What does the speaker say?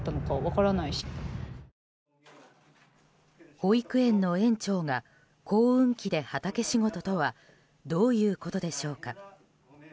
保育園の園長が耕運機で畑仕事とはどういうことでしょうか。